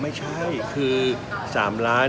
ไม่ใช่คือ๓ล้าน